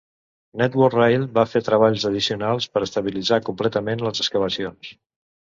Network Rail va fer treballs addicionals per estabilitzar completament les excavacions.